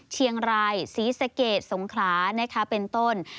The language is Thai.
เชียงรายศรีสะเกตสมคราเป็นต้น